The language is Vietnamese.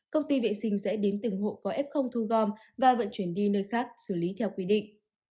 công ty vệ sinh sẽ đến từng hộ có f không thu gom và vận chuyển đi nơi khác xử lý theo quy định